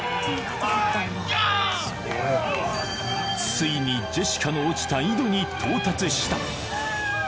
ついにジェシカの落ちた井戸に到達した